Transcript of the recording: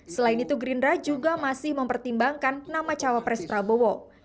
selain itu gerindra juga masih mempertimbangkan nama cawapres prabowo